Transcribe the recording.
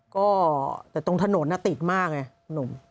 ก็แต่ตรงถนนติดมากไงหนุ่ม